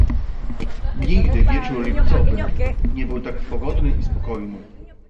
"Nigdy wieczór lipcowy nie był tak pogodny i spokojny."